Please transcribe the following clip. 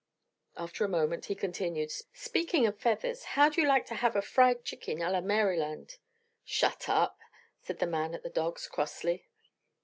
After a moment he continued: "Speaking of feathers, how'd you like to have a fried chicken a la Maryland?" "Shut up!" said the man at the dogs, crossly.